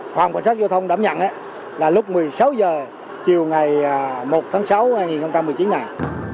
khoảng quản sát giao thông đảm nhận là lúc một mươi sáu h chiều ngày một tháng sáu năm hai nghìn một mươi chín này